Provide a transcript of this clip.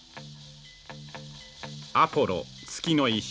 「アポロ月の石。